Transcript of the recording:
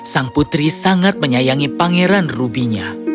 sang putri sangat menyayangi pangeran rubynya